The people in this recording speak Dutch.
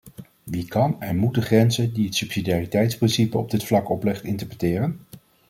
Wie kan en moet de grenzen die het subsidiariteitsprincipe op dit vlak oplegt interpreteren?